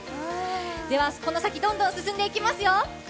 では、この先どんどん進んでいきますよ。